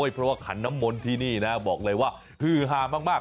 เพราะว่าขันน้ำมนต์ที่นี่นะบอกเลยว่าฮือฮามาก